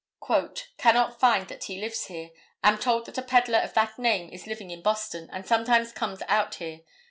"Cannot find that he lives here. Am told that a peddler of that name is living in Boston, and sometimes comes out here.